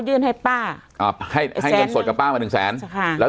ให้ป้าอ่าให้ให้เงินสดกับป้ามาหนึ่งแสนค่ะแล้ว